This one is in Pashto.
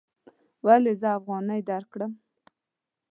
ولې زه افغانۍ درکړم؟